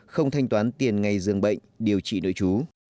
không thanh toán tiền ngày dường bệnh điều trị nội chú